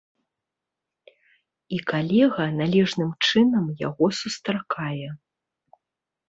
І калега належным чынам яго сустракае.